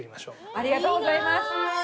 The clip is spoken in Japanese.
ありがとうございます！